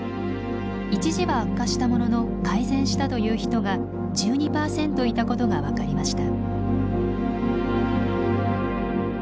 一時は悪化したものの改善したという人が１２％いたことが分かりました。